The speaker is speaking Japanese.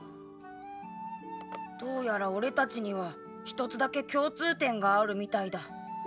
どうやら俺たちには一つだけ共通点があるみたいだ。